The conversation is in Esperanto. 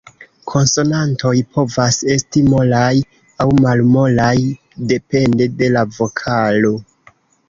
Konsonantoj povas esti molaj aŭ malmolaj depende de la vokalo.